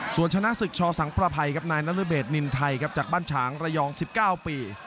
ส่วนชนะศึกชอสังประภัยครับนายนรเบศนินไทยครับจากบ้านฉางระยอง๑๙ปี